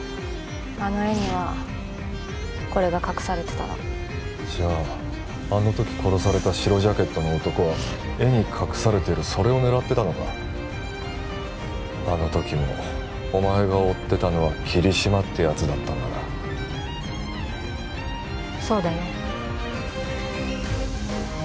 あの絵にはこれが隠されてたのじゃああのとき殺された白ジャケットの男は絵に隠されているそれを狙ってたのかあのときもお前が追ってたのは桐島ってやつだったんだなそうだよ